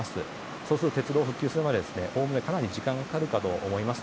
そうすると鉄道が復旧するまでおおむね、かなり時間がかかるかと思います。